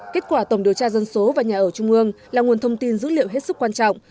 kết quả tổng điều tra dân số và nhà ở trung ương là nguồn thông tin dữ liệu hết sức quan trọng